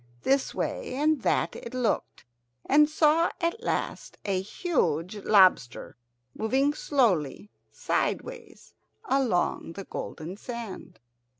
This way and that it looked, and saw at last a huge lobster moving slowly, sideways, along the golden sand.